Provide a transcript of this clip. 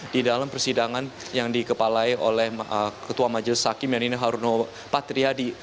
di dalam persidangan yang dikepalai oleh ketua majelis hakim yang ini haruno patriadi